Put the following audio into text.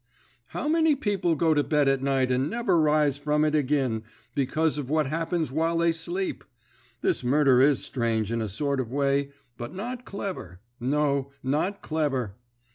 How many people go to bed at night and never rise from it agin, because of what happens while they sleep! This murder is strange in a sort of way, but not clever no, not clever.